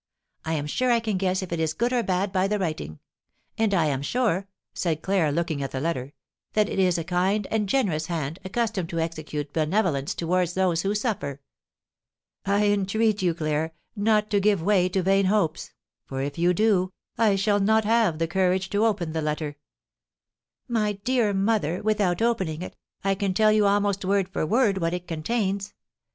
I am sure I can guess if it is good or bad by the writing. And I am sure," said Claire, looking at the letter, "that it is a kind and generous hand, accustomed to execute benevolence towards those who suffer." "I entreat you, Claire, not to give way to vain hopes; for, if you do, I shall not have the courage to open the letter." "My dear mother, without opening it, I can tell you almost word for word what it contains.